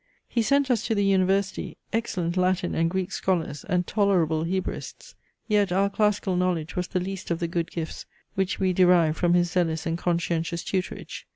He sent us to the University excellent Latin and Greek scholars, and tolerable Hebraists. Yet our classical knowledge was the least of the good gifts, which we derived from his zealous and conscientious tutorage.